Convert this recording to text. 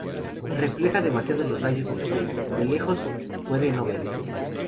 Refleja demasiado los rayos del sol... de lejos puede no verse.